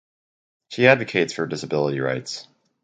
She advocates for disability rights.